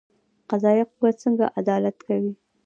قضایه قوه څنګه عدالت کوي؟